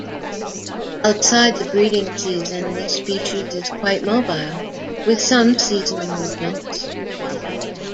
Outside the breeding season, this species is quite mobile, with some seasonal movements.